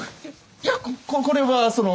いやこっこれはその。